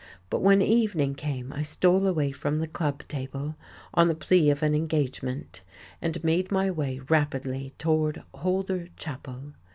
But when evening came I stole away from the club table, on the plea of an engagement, and made my way rapidly toward Holder Chapel.